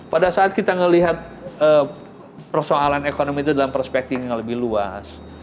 pada saat kita melihat persoalan ekonomi itu dalam perspektif yang lebih luas